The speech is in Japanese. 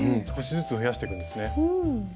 少しずつ増やしてくんですね。